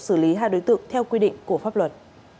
xử lý hai đối tượng theo quy định của pháp luật